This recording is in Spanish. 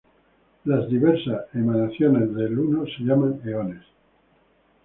Las diversas emanaciones de el Uno se llaman eones.